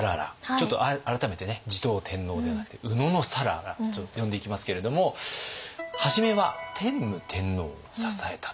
ちょっと改めてね持統天皇ではなくて野讃良と呼んでいきますけれども初めは天武天皇を支えたと。